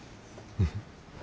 うん。